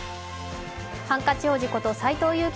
ハンカチ王子こと斎藤佑樹